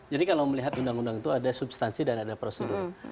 jadi kalau melihat undang undang itu ada substansi dan ada prosedur